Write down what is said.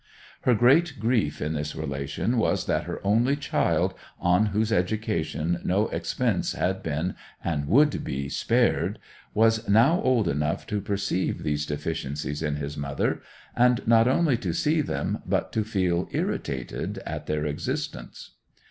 Her great grief in this relation was that her only child, on whose education no expense had been and would be spared, was now old enough to perceive these deficiencies in his mother, and not only to see them but to feel irritated at their existence.